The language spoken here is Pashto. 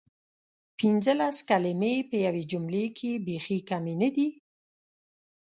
پنځلس کلمې په یوې جملې کې بیخې کمې ندي؟!